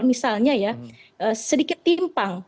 misalnya ya sedikit timpang